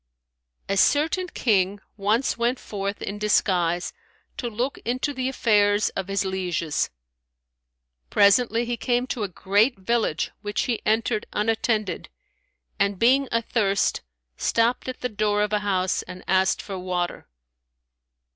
A certain King once went forth in disguise, to look into the affairs of his lieges. Presently, he came to a great village which he entered unattended and being athirst, stopped at the door of a house and asked for water.